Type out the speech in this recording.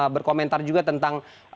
berkomentar juga tentang